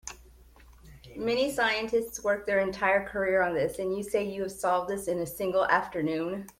Many scientists work their entire careers on this, and you say you have solved this in a single afternoon?